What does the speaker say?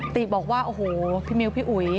ติบอกว่าโอ้โหพี่มิวพี่อุ๋ย